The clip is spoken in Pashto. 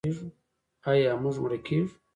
آیا موږ مړه کیږو؟